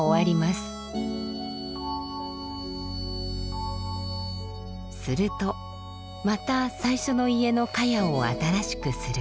するとまた最初の家のかやを新しくする。